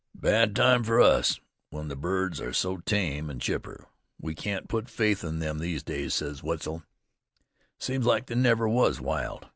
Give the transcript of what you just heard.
"Bad time fer us, when the birds are so tame, an' chipper. We can't put faith in them these days," said Wetzel. "Seems like they never was wild.